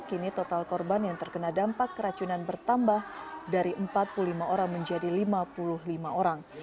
kini total korban yang terkena dampak keracunan bertambah dari empat puluh lima orang menjadi lima puluh lima orang